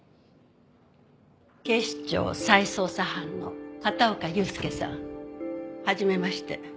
警視庁再捜査班の片岡悠介さん。はじめまして。